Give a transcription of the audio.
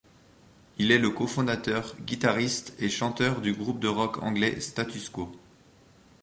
Il est le cofondateur, guitariste et chanteur du groupe de rock anglais Status Quo.